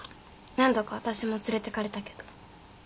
何度かあたしも連れてかれたけど。